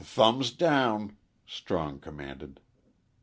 "Th thumbs down," Strong commanded.